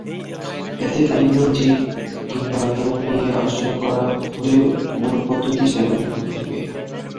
এতে ভিন্ন জীব কিংবা রোগ নিয়ে আলোচনা করা হলেও মূল পদ্ধতি যেন একই থাকে।